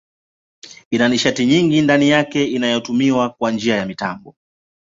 Ina nishati nyingi ndani yake inayotumiwa kwa njia ya mitambo.